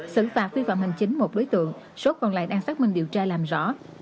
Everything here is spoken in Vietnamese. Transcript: sử phạt vi phạm hành chính một đối tượng số còn lại đang phát minh điều tra làm rõ